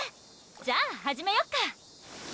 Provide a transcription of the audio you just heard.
じゃあ始めよっか！